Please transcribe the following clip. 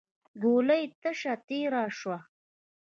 ګولۍ تشه تېره شوه.